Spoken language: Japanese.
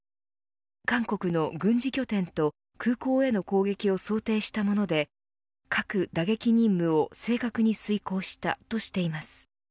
韓国の軍事拠点と空港への攻撃を想定したもので核打撃任務を正確に遂行した、としています。